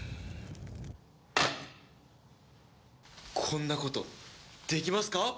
こんなことできますか？